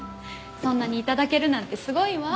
そんなに頂けるなんてすごいわ。